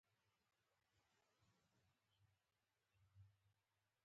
زه ساده ډوډۍ خورم.